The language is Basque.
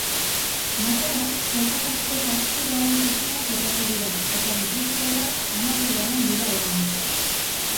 Nafarrak sailkapeneko zazpigarren tokian kokatu dira, eta gipuzkoarrak hamabigarren dira orain.